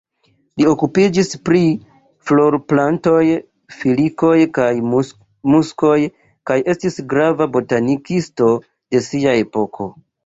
Li okupiĝis pri florplantoj, filikoj kaj muskoj kaj estis grava botanikisto de sia epoko.